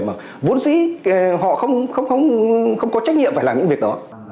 mà vốn dĩ họ không có trách nhiệm phải làm những việc đó